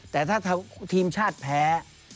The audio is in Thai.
แต่ถ้าทีมชาติแพ้